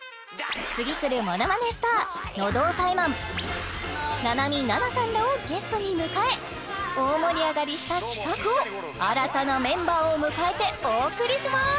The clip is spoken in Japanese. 次くるものまねスター喉押さえマンななみななさんらをゲストに迎え大盛り上がりした企画を新たなメンバーを迎えてお送りします